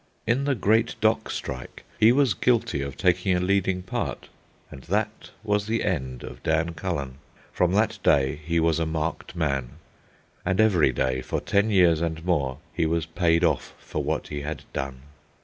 In the "Great Dock Strike" he was guilty of taking a leading part. And that was the end of Dan Cullen. From that day he was a marked man, and every day, for ten years and more, he was "paid off" for what he had done.